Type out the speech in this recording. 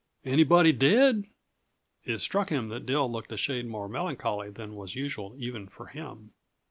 Anybody dead?" It struck him that Dill looked a shade more melancholy than was usual, even for him.